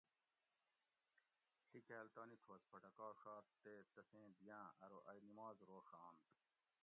ڷِیکاۤل تانی تھوس پھٹکاڛات تے تسیں دیاۤں ارو ائی نماز روڛانت